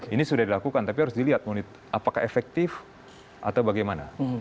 ini sudah dilakukan tapi harus dilihat apakah efektif atau bagaimana